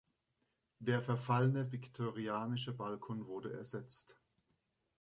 Der verfallene viktorianische Balkon wurde ersetzt.